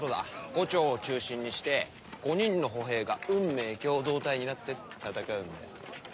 伍長を中心にして５人の歩兵が運命共同体になって戦うんだよ。